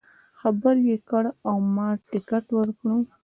خبر یې کړ او ما ټکټ ورکړ.